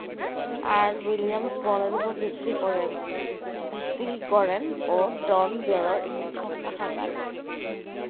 Earl Williams বলের উপর ভিত্তি করে ভিত্তি গড়েন ও ডন বেলর একটি ছক্কা হাঁকান।